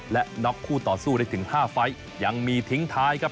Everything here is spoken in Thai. และน็อกคู่ต่อสู้ได้ถึง๕ไฟล์ยังมีทิ้งท้ายครับ